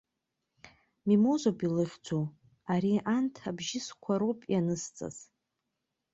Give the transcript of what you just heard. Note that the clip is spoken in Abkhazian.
Мимозоуп илыхьӡу, ари анҭ абжьысқәа роуп ианызҵаз.